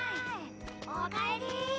おかえり！